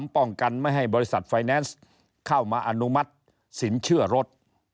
ป้องกันไม่ให้บริษัทไฟแนนซ์เข้ามาอนุมัติสินเชื่อรถ